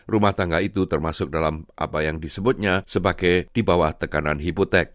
rumah tangga itu termasuk dalam apa yang disebutnya sebagai di bawah tekanan hipotek